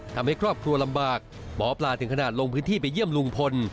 ทำให้ครอบครัวลำบากหมอปลาถึงขนาดลงพื้นที่ไปเยี่ยมลุงพล